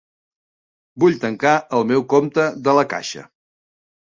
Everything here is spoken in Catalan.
Vull tancar el meu compte de La Caixa.